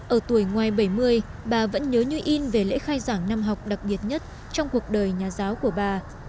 ở tuổi ngoài bảy mươi bà vẫn nhớ như in về lễ khai giảng năm học đặc biệt nhất trong cuộc đời nhà giáo của bà